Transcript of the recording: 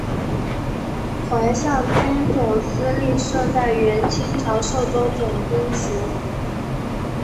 淮上军总司令部设在原清朝寿州总兵署。